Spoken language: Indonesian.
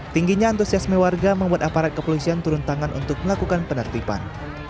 tingginya antusiasme warga membuat aparat kepolisian turun tangan untuk melakukan penertiban